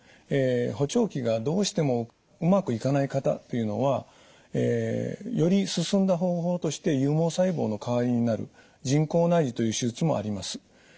補聴器がどうしてもうまくいかない方というのはより進んだ方法として有毛細胞の代わりになる人工内耳という手術もあります。